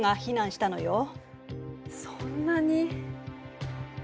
そんなに。